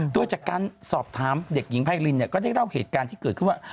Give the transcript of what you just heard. โดยจากการสอบถามเด็กหญิงไพรินก็ได้เล่าเหตุการณ์ที่เกิดขึ้นว่า